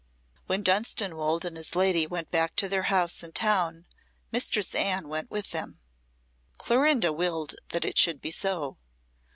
When Dunstanwolde and his lady went back to their house in town, Mistress Anne went with them. Clorinda willed that it should be so.